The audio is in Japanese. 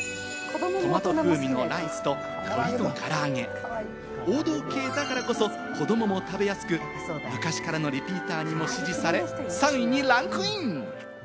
トマト風味のライスと鶏のからあげ、王道系だからこそ、子どもも食べやすく、昔からのリピーターにも支持され、３位にランクイン！